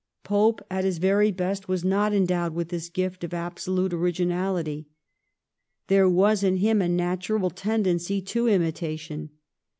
Pope at his very best was not endowed with this gift of absolute originaUty . There was in him a natural tendency to imitation.